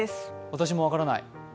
私も分からない。